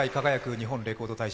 日本レコード大賞」